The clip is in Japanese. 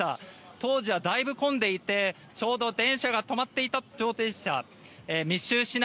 当時はだいぶ混んでいてちょうど電車が止まっていた状況でした。